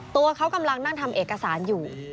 ตัวเขากำลังนั่งทำเอกสารอยู่